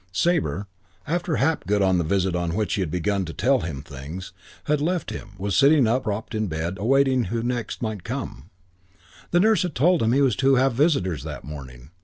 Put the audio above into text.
II Sabre, after Hapgood on the visit on which he had begun "to tell him things", had left him, was sitting propped up in bed awaiting who next might come. The nurse had told him he was to have visitors that morning.